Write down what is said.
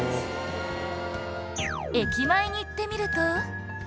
駅前に行ってみると